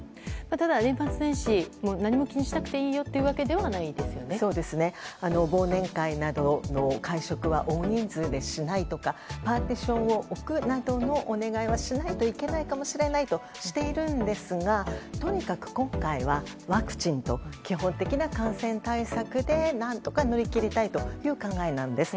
ただ、年末年始何も気にしなくていい忘年会などの会食は大人数でしないとかパーティションを置くなどのお願いはしないといけないかもしれないとしているんですがとにかく今回はワクチンと基本的な感染対策で何とか乗り切りたいという考えなんです。